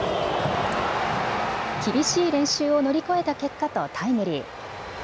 厳しい練習を乗り越えた結果とタイムリー。